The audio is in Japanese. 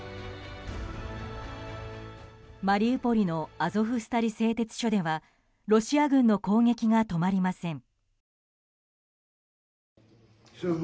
マリウポリのアゾフスタリ製鉄所ではロシア軍の攻撃が止まりません。